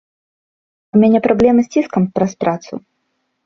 У мяне праблемы з ціскам праз працу.